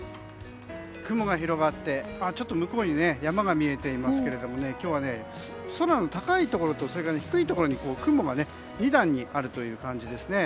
雲が広がって向こうに山が見えていますが今日は空の高いところとそれから低いところに雲が２段にある感じですね。